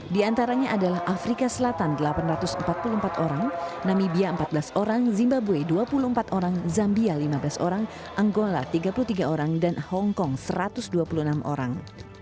di antaranya adalah afrika selatan delapan ratus empat puluh empat orang namibia empat belas orang zimbabwe dua puluh empat orang zambia lima belas orang anggola tiga puluh tiga orang dan hongkong satu ratus dua puluh enam orang